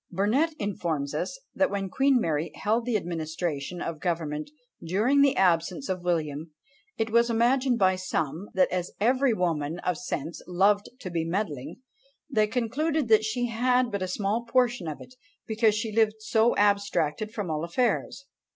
Burnet informs us, that when Queen Mary held the administration of government during the absence of William, it was imagined by some, that as "every woman of sense loved to be meddling, they concluded that she had but a small portion of it, because she lived so abstracted from all affairs."